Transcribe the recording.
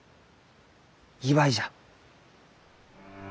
祝いじゃ。